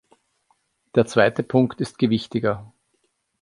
Der zweite Punkt ist gewichtiger.